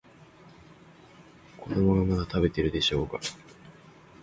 子供がまだ食べてるでしょうが。